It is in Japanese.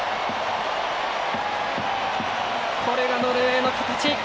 これがノルウェーの形。